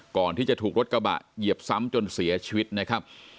ก่อนที่จะถูกรถกระบะเหยียบซ้ำจนเสียชีวิตนะครับ